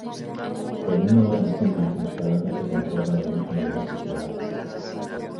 En una hornacina acristalada se conserva la imagen de la titular.